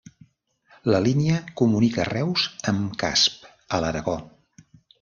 La línia comunica Reus amb Casp, a l'Aragó.